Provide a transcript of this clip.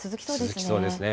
続きそうですね。